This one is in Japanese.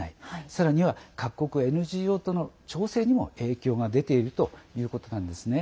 さらには各国ＮＧＯとの調整にも影響が出ているということなんですね。